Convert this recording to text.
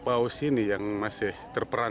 kedua duanya di sini juga berhasil dikirim ke tengah laut